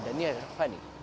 dan ini adalah apa nih